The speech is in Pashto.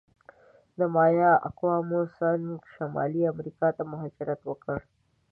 د مایا اقوامو څنګه شمالي امریکا ته مهاجرت وکړ؟